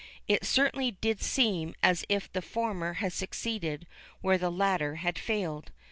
It certainly did seem as if the former had succeeded where the latter had failed.